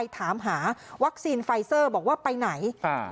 ถามหาวัคซีนไฟเซอร์บอกว่าไปไหน